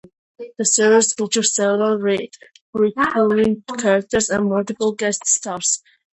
The series features several recurring characters and multiple guest stars.